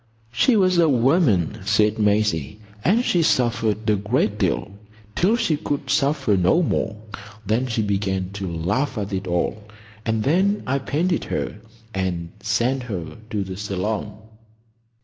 "She was a woman," said Maisie, "and she suffered a great deal,—till she could suffer no more. Then she began to laugh at it all, and then I painted her and sent her to the Salon."